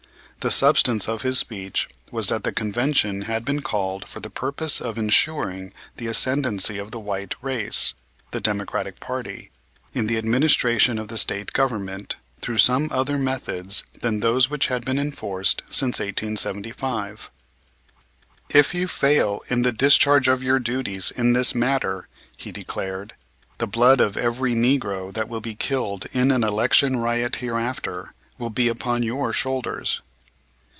The substance of his speech was that the Convention had been called for the purpose of insuring the ascendency of the white race, the Democratic party, in the administration of the State Government through some other methods than those which had been enforced since 1875. "If you fail in the discharge of your duties in this matter," he declared, "the blood of every negro that will be killed in an election riot hereafter will be upon your shoulders."